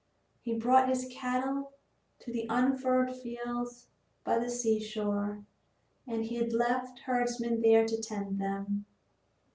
He brought his cattle to the unfurrowed fields by the seashore and he left herdsmen there to tend them.